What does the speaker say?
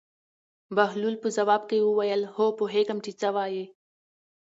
بهلول په ځواب کې وویل: هو پوهېږم چې څوک یې.